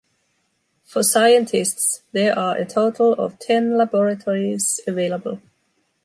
For scientists there are a total of ten laboratories available.